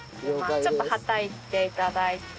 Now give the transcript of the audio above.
ちょっとはたいて頂いて。